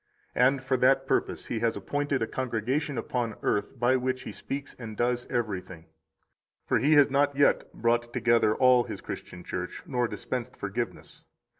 And for that purpose He has appointed a congregation upon earth by which He speaks and does everything. 62 For He has not yet brought together all His Christian Church nor dispensed forgiveness.